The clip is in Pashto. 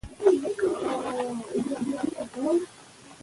د افغانستان سیندونه د کرنیزو ځمکو د خړوبولو لپاره کارول کېږي.